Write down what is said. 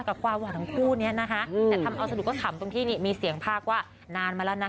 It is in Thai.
กับความหวานของคู่นี้นะคะแต่ทำเอาสนุกก็ขำตรงที่นี่มีเสียงภาคว่านานมาแล้วนะ